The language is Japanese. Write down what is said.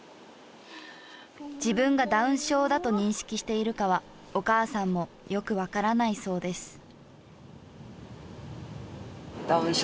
自分がダウン症だと認識しているかはお母さんもよくわからないそうです。